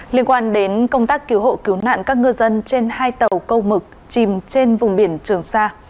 liên quan đến công tác cứu hộ cứu nạn các ngư dân trên hai tàu câu mực chìm trên vùng biển trường sa